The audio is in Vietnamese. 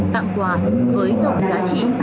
tặng quà với tổng giá trị